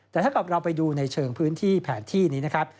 แต่ถ้าเกิดเราไปดูในเชิงพื้นที่แผนที่นี้นะครับ